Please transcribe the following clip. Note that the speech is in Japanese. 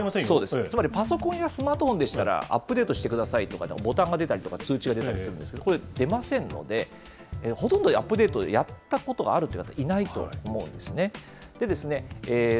そうです、つまりパソコンやスマートフォンでしたら、アップデートしてくださいとか、ボタンが出たりとか、通知が出たりしますので、これ、出ませんので、ほとんどアップデートやったことがあるという方、いないと思うんですね。